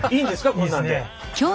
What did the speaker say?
こんなんで。